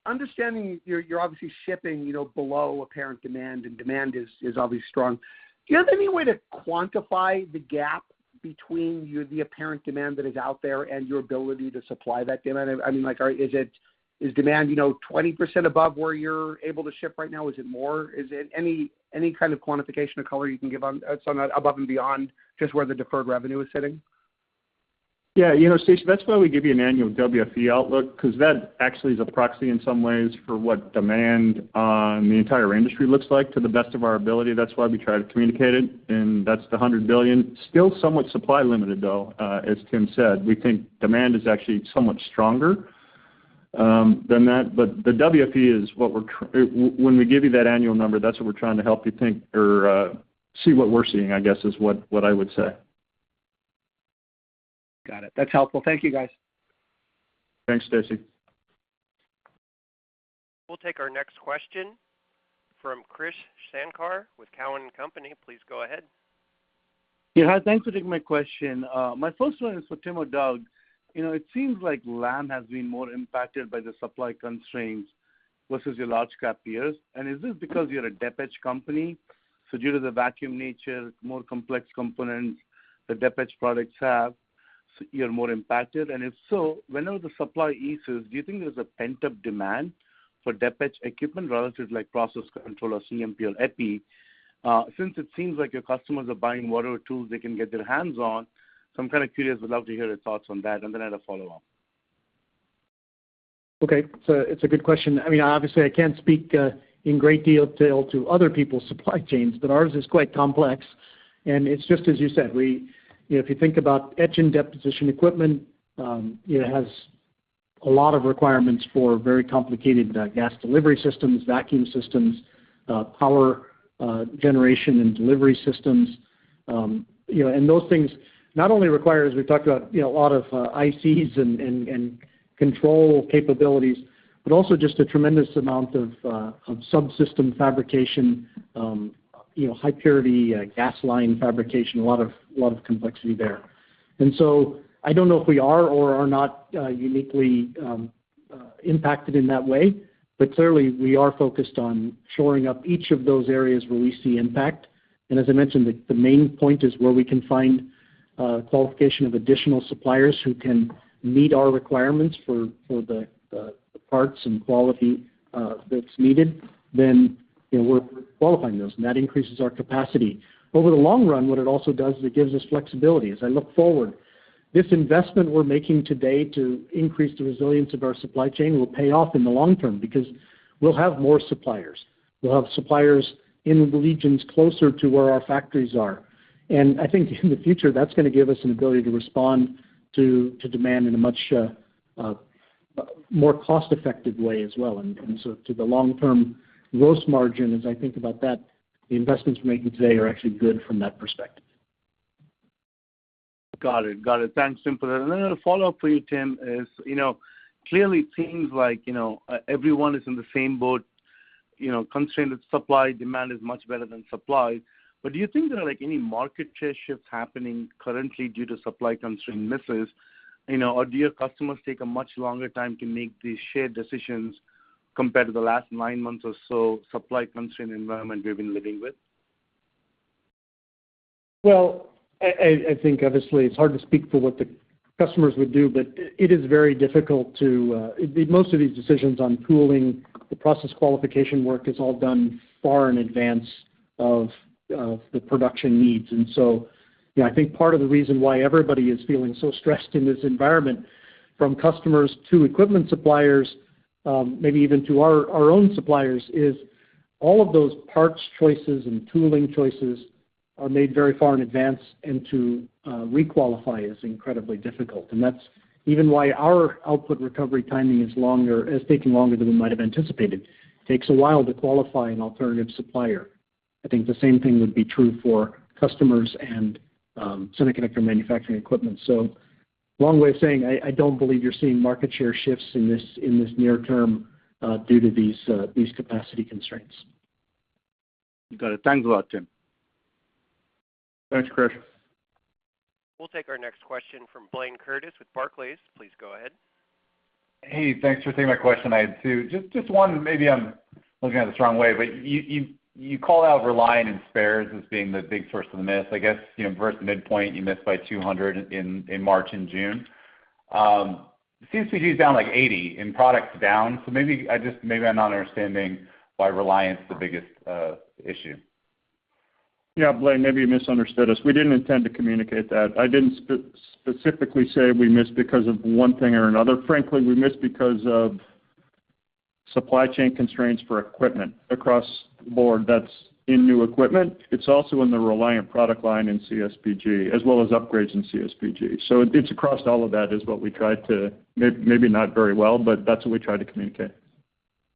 understanding you're obviously shipping below Apparent Demand, and demand is obviously strong. Do you have any way to quantify the gap between the Apparent Demand that is out there and your ability to supply that demand? I mean, is demand 20% above where you're able to ship right now? Is it more? Is it any kind of quantification or color you can give on its above and beyond just where the deferred revenue is sitting? Yeah, Stacy, that's why we give you an annual WFE outlook because that actually is a proxy in some ways for what demand on the entire industry looks like to the best of our ability. That's why we try to communicate it, and that's the $100 billion. Still somewhat supply limited, though, as Tim said. We think demand is actually somewhat stronger than that, but the WFE is what we mean when we give you that annual number, that's what we're trying to help you think or see what we're seeing, I guess, is what I would say. Got it. That's helpful. Thank you, guys. Thanks, Stacy. We'll take our next question from Krish Sankar with TD Cowen. Please go ahead. Yeah, thanks for taking my question. My first one is for Tim or Doug. It seems like Lam has been more impacted by the supply constraints versus your large-cap peers. Is this because you're a depo company, so due to the vacuum nature, more complex components that depo products have, you're more impacted? If so, whenever the supply eases, do you think there's a pent-up demand for depo equipment relative to process control or CMP or EPI? Since it seems like your customers are buying whatever tools they can get their hands on, so I'm kind of curious, would love to hear your thoughts on that, and then add a follow-up. Okay. It's a good question. I mean, obviously, I can't speak in great detail to other people's supply chains, but ours is quite complex. It's just, as you said, if you think about Etch and Deposition equipment, it has a lot of requirements for very complicated gas delivery systems, vacuum systems, power generation and delivery systems. Those things not only require, as we've talked about, a lot of ICs and control capabilities, but also just a tremendous amount of subsystem fabrication, high-purity gas line fabrication, a lot of complexity there. I don't know if we are or are not uniquely impacted in that way, but clearly, we are focused on shoring up each of those areas where we see impact. As I mentioned, the main point is where we can find qualification of additional suppliers who can meet our requirements for the parts and quality that's needed, then we're qualifying those, and that increases our capacity. Over the long run, what it also does is it gives us flexibility. As I look forward, this investment we're making today to increase the resilience of our supply chain will pay off in the long term because we'll have more suppliers. We'll have suppliers in the regions closer to where our factories are. I think in the future, that's going to give us an ability to respond to demand in a much more cost-effective way as well. To the long-term gross margin, as I think about that, the investments we're making today are actually good from that perspective. Got it. Thanks, Tim. A follow-up for you, Tim, is clearly it seems like everyone is in the same boat. Constraint is supply. Demand is much better than supply. Do you think there are any market shifts happening currently due to supply constraint misses, or do your customers take a much longer time to make these shared decisions compared to the last nine months or so supply constraint environment we've been living with? Well, I think obviously, it's hard to speak for what the customers would do, but it is very difficult to make most of these decisions on tooling. The process qualification work is all done far in advance of the production needs. I think part of the reason why everybody is feeling so stressed in this environment, from customers to equipment suppliers, maybe even to our own suppliers, is all of those parts choices and tooling choices are made very far in advance and to requalify is incredibly difficult. That's even why our output recovery timing is longer, is taking longer than we might have anticipated. It takes a while to qualify an alternative supplier. I think the same thing would be true for customers and semiconductor manufacturing equipment. Long way of saying, I don't believe you're seeing market share shifts in this near term due to these capacity constraints. Got it. Thanks a lot, Tim. Thanks, Krish. We'll take our next question from Blayne Curtis with Barclays. Please go ahead. Hey, thanks for taking my question. I had two. Just one, maybe I'm looking at the wrong way, but you call out Reliant and Spares as being the big source of the miss, I guess. Versus midpoint, you missed by $200 in March and June. CSPG is down like $80 and product down. Maybe I'm not understanding why Reliant is the biggest issue. Yeah, Blayne, maybe you misunderstood us. We didn't intend to communicate that. I didn't specifically say we missed because of one thing or another. Frankly, we missed because of supply chain constraints for equipment across the board. That's in new equipment. It's also in the Reliant product line and CSPG, as well as Upgrades in CSPG. It's across all of that is what we tried to, maybe not very well, but that's what we tried to communicate.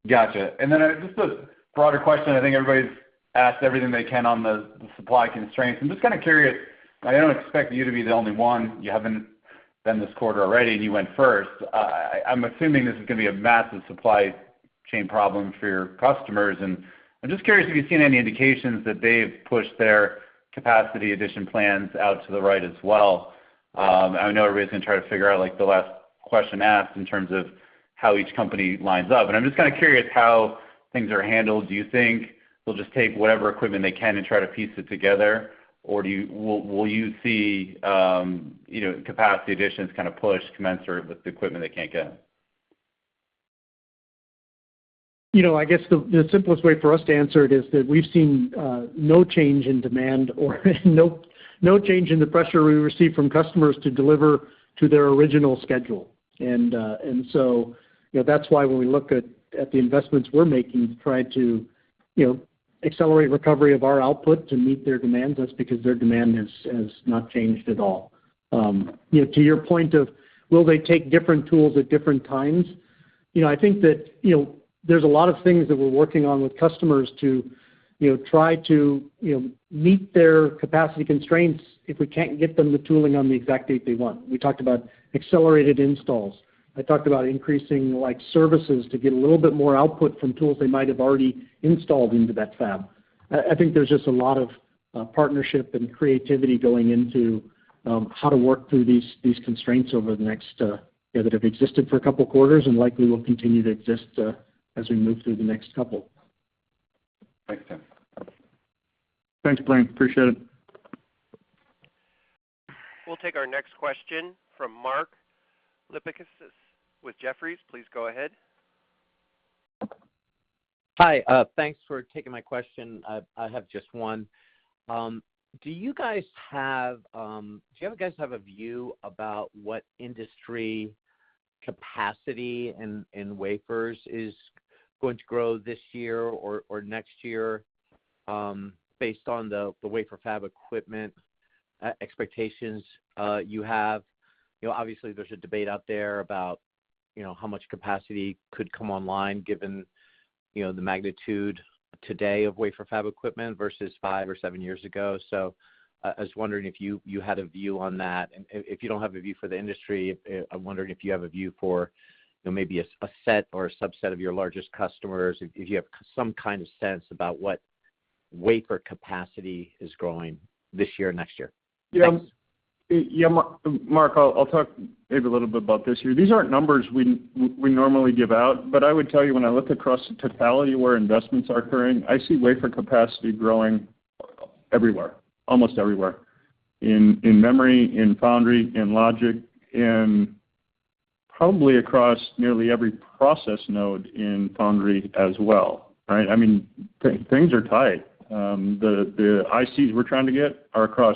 Gotcha. Then just a broader question. I think everybody's asked everything they can on the supply constraints. I'm just kind of curious. I don't expect you to be the only one. You haven't been this quarter already, and you went first. I'm assuming this is going to be a massive supply chain problem for your customers. I'm just curious if you've seen any indications that they've pushed their capacity addition plans out to the right as well. I know everybody's going to try to figure out the last question asked in terms of how each company lines up. I'm just kind of curious how things are handled. Do you think they'll just take whatever equipment they can and try to piece it together, or will you see capacity additions kind of push, commensurate with the equipment they can't get? I guess the simplest way for us to answer it is that we've seen no change in demand or no change in the pressure we receive from customers to deliver to their original schedule. That's why when we look at the investments we're making to try to accelerate recovery of our output to meet their demands, that's because their demand has not changed at all. To your point of will they take different tools at different times, I think that there's a lot of things that we're working on with customers to try to meet their capacity constraints if we can't get them the tooling on the exact date they want. We talked about accelerated installs. I talked about increasing services to get a little bit more output from tools they might have already installed into that fab. I think there's just a lot of partnership and creativity going into how to work through these constraints over the next that have existed for a couple of quarters and likely will continue to exist as we move through the next couple. Thanks, Tim. Thanks, Blayne. Appreciate it. We'll take our next question from Mark Lipacis with Jefferies. Please go ahead. Hi. Thanks for taking my question. I have just one. Do you guys have a view about what industry capacity in wafers is going to grow this year or next year based on the wafer fab equipment expectations you have? Obviously, there's a debate out there about how much capacity could come online given the magnitude today of wafer fab equipment versus five or seven years ago. I was wondering if you had a view on that? If you don't have a view for the industry, I'm wondering if you have a view for maybe a set or a subset of your largest customers, if you have some kind of sense about what wafer capacity is growing this year and next year? Yeah. Mark, I'll talk maybe a little bit about this year. These aren't numbers we normally give out, but I would tell you when I look across the totality of where investments are occurring, I see wafer capacity growing everywhere, almost everywhere, in Memory, in Foundry, in Logic, and probably across nearly every process node in Foundry as well. I mean, things are tied. The ICs we're trying to get are across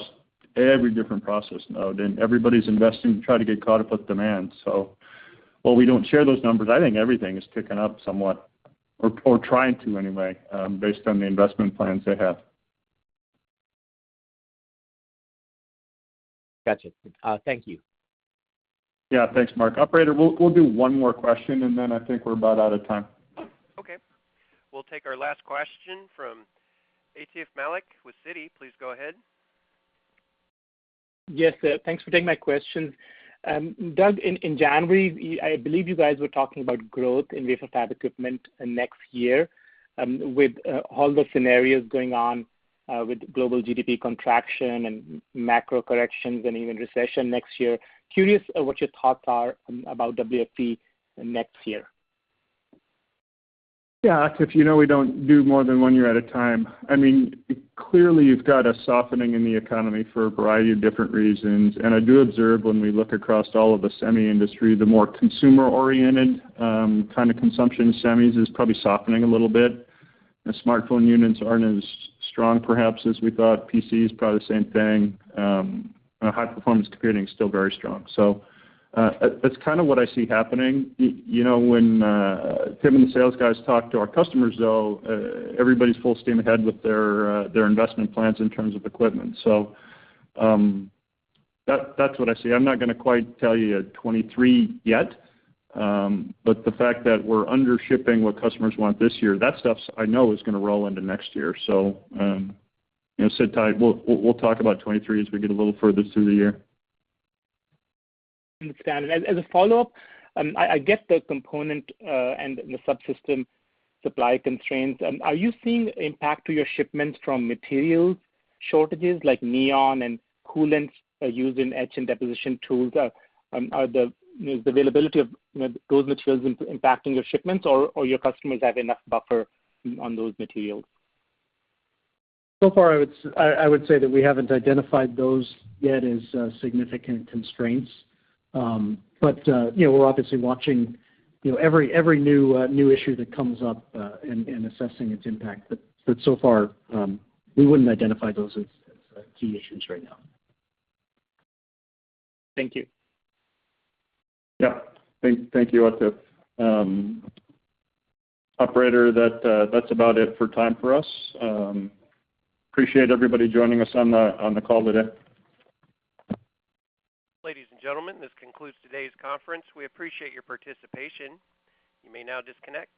every different process node, and everybody's investing to try to get caught up with demand. While we don't share those numbers, I think everything is ticking up somewhat or trying to anyway based on the investment plans they have. Gotcha. Thank you. Yeah. Thanks, Mark. Operator, we'll do one more question, and then I think we're about out of time. Okay. We'll take our last question from Atif Malik with Citi. Please go ahead. Yes, thanks for taking my question. Doug, in January, I believe you guys were talking about growth in Wafer Fab Equipment next year with all the scenarios going on with global GDP contraction and macro corrections and even recession next year. Curious what your thoughts are about WFE next year? Yeah. If you know we don't do more than one year at a time, I mean, clearly, you've got a softening in the economy for a variety of different reasons. I do observe when we look across all of the semi-industry, the more consumer-oriented kind of consumption semis is probably softening a little bit. Smartphone units aren't as strong, perhaps, as we thought. PCs, probably the same thing. High-performance computing is still very strong. That's kind of what I see happening. When Tim and the sales guys talk to our customers, though, everybody's full steam ahead with their investment plans in terms of equipment. That's what I see. I'm not going to quite tell you 2023 yet, but the fact that we're under shipping what customers want this year, that stuff, I know, is going to roll into next year. Sit tight. We'll talk about 2023 as we get a little further through the year. Understood. As a follow-up, I guess the component and the subsystem supply constraints, are you seeing an impact to your shipments from materials shortages like neon and coolants used in Etch and Deposition tools? Is the availability of those materials impacting your shipments, or your customers have enough buffer on those materials? So far, I would say that we haven't identified those yet as significant constraints. We're obviously watching every new issue that comes up and assessing its impact. So far, we wouldn't identify those as key issues right now. Thank you. Yeah. Thank you, Atif. Operator, that's about it for time for us. Appreciate everybody joining us on the call today. Ladies and gentlemen, this concludes today's conference. We appreciate your participation. You may now disconnect.